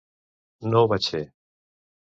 No ho vaig fer.